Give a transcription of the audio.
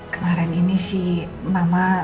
kemarin ini si mama